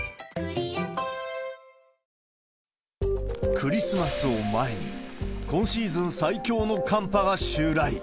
クリスマスを前に、今シーズン最強の寒波が襲来。